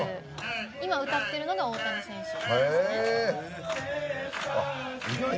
今、歌ってるのが大谷選手ですね。